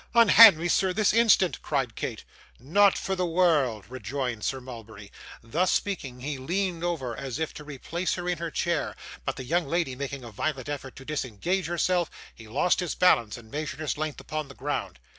'Unhand me, sir, this instant,' cried Kate. 'Not for the world,' rejoined Sir Mulberry. Thus speaking, he leaned over, as if to replace her in her chair; but the young lady, making a violent effort to disengage herself, he lost his balance, and measured his length upon the ground.